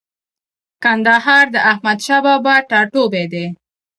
کندهار د احمدشاه بابا ټاټوبۍ دی.